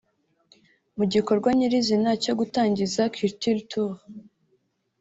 Mu gikorwa nyirizina cyo gutangiza culture tour